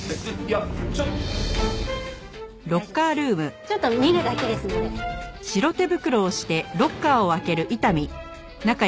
ちょっと見るだけですので。